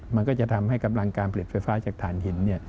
มันก็จะทำให้กำลังการผลิตไฟฟ้าจากฐานหิน